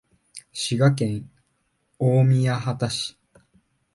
滋賀県近江八幡市